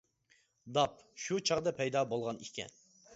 داپ شۇ چاغدا پەيدا بولغان ئىكەن.